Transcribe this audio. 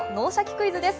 クイズ」です。